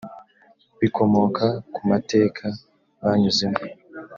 bikomoka ku mateka banyuzemo